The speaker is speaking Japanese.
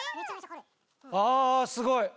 あすごい。